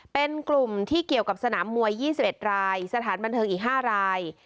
เป็นกลุ่มที่เกี่ยวกับสนามมวย๒๑รายสถานบันเทิงอีก๕ราย